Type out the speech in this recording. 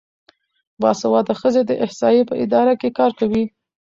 باسواده ښځې د احصایې په اداره کې کار کوي.